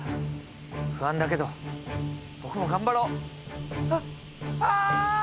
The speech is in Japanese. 不安だけど僕も頑張ろあっあ！